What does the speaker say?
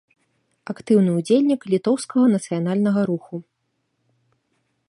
Актыўны ўдзельнік літоўскага нацыянальнага руху.